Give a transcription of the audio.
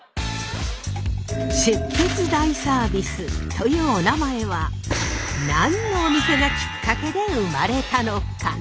「出血大サービス」というおなまえは何のお店がきっかけで生まれたのか？